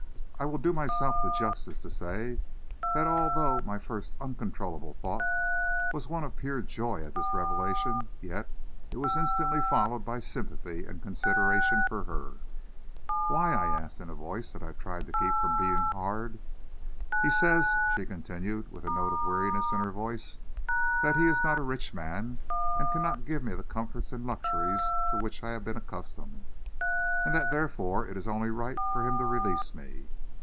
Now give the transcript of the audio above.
I will do myself the justice to say that although my first uncontrollable thought was one of pure joy at this revelation, yet it was instantly followed by sympathy and consideration for her. "Why?" I asked in a voice that I tried to keep from being hard. "He says," she continued, with a note of weariness in her voice, "that he is not a rich man, and cannot give me the comforts and luxuries to which I have been accustomed, and that therefore it is only right for him to release me."